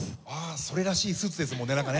それらしいスーツですもんねなんかね。